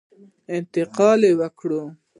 انتقاونه وکړل.